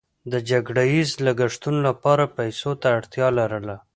د جګړه ییزو لګښتونو لپاره پیسو ته اړتیا لرله.